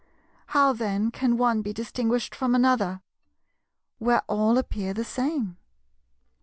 How then can one be distinguished from another, where all appear the same?